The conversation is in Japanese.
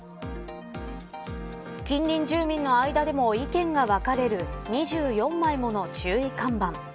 近隣住民の間でも意見が分かれる２４枚もの注意看板。